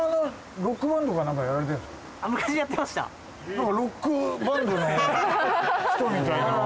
なんかロックバンドの人みたいな。